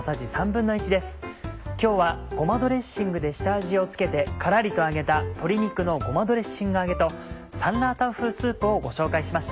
今日はごまドレッシングで下味を付けてカラリと揚げた「鶏肉のごまドレッシング揚げ」と「酸辣湯風スープ」をご紹介しました。